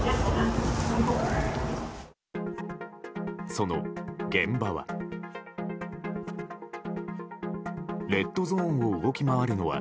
その現場は。